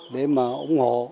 để mà ủng hộ